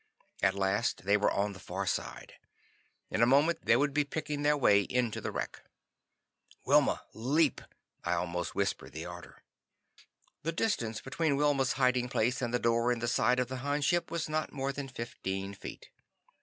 At last they were on the far side. In a moment they would be picking their way into the wreck. "Wilma, leap!" I almost whispered the order. The distance between Wilma's hiding place and the door in the side of the Han ship was not more than fifteen feet.